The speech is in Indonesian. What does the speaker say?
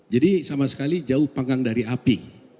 jadi sama sekali jauh panggang dari api